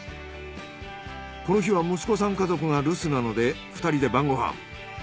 この日は息子さん家族が留守なので２人で晩ご飯。